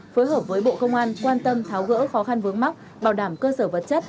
phối hợp với bộ công an quan tâm tháo gỡ khó khăn vướng mắt bảo đảm cơ sở vật chất